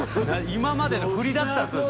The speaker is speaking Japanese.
今までの振りだったんですか？